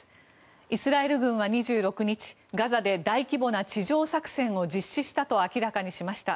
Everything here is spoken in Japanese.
イスラエル軍は２６日ガザで大規模な地上作戦を実施したと明らかにしました。